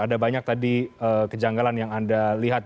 ada banyak tadi kejanggalan yang anda lihat